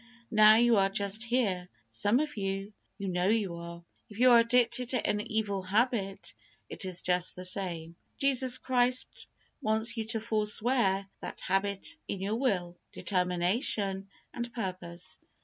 Now, you are just here, some of you you know you are. If you are addicted to any evil habit, it is just the same. Jesus Christ wants you to forswear that habit in your will, determination, and purpose.